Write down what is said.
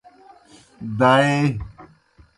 دائے۔